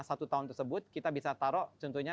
satu tahun tersebut kita bisa taruh contohnya